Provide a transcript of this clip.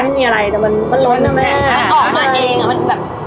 ไม่มีอะไรแต่มันมันล้นนะแม่มันออกมาเองอ่ะมันแบบ